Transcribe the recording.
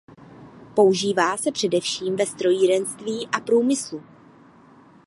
Používá se především ve strojírenství a průmyslu.